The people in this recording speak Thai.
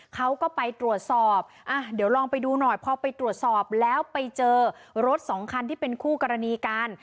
เขาก็ไปตรวจสอบอ่ะเดี๋ยวลองไปดูหน่อยพอไปตรวจสอบแล้วไปเจอรถสองคันที่เป็นคู่กรณีกัน